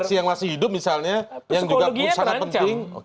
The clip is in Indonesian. generasi yang masih hidup misalnya yang juga sangat penting